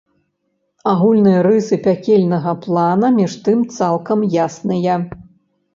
Агульныя рысы пякельнага плана між тым цалкам ясныя.